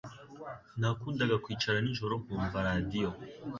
Nakundaga kwicara nijoro nkumva radio